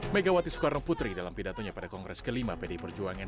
megawati soekarno putri dalam pidatonya pada kongres kelima pdi perjuangan